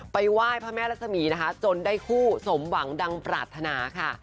ไหว้พระแม่รัศมีนะคะจนได้คู่สมหวังดังปรารถนาค่ะ